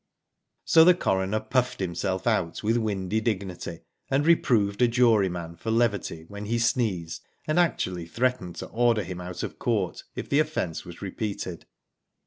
So the coroner puffed himself out with windy dignity, and reproved a juryman for levity when he sneezed, and actually threatened to order him out of court if the offence was repeated.